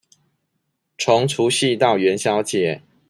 從除夕到元宵節